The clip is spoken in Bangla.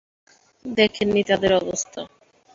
দেখেননি তাদের অবস্থা?